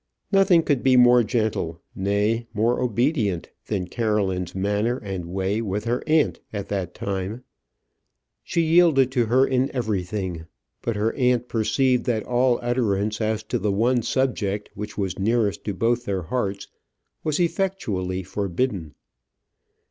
Nothing could be more gentle, nay, more obedient, than Caroline's manner and way with her aunt at this time: she yielded to her in everything; but her aunt perceived that all utterance as to the one subject which was nearest to both their hearts was effectually forbidden.